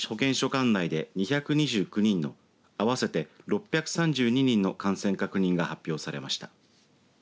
管内で２２９人の合わせて６３２人の感染確認が発表されました。